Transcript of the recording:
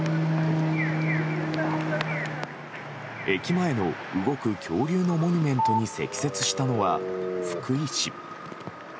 駅前の動く恐竜のモニュメントに積雪したのは福井市。